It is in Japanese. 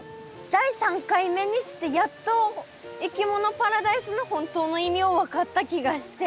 第３回目にしてやっといきものパラダイスの本当の意味を分かった気がして。